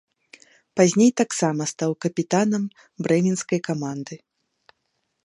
Пазней таксама стаў капітанам брэменскай каманды.